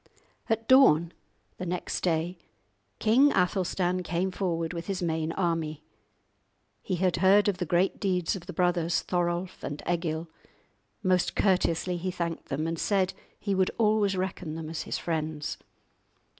At dawn next day King Athelstan came forward with his main army. He had heard of the great deeds of the brothers Thorolf and Egil; most courteously he thanked them, and said that he would always reckon them as his friends.